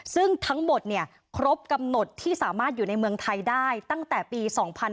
ซึ่งทั้งหมดครบกำหนดที่สามารถอยู่ในเมืองไทยได้ตั้งแต่ปี๒๕๕๙